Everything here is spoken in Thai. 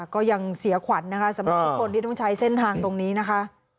ก็ยังเสียขวัญนะคะสำหรับทุกคนที่ต้องใช้เส้นทางตรงนี้นะคะ